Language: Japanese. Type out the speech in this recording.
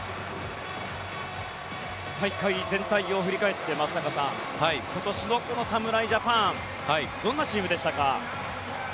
大会全体を振り返って松坂さん今年、至極の侍ジャパンどんなチームでしたか。